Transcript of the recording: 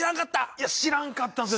いや知らんかったんです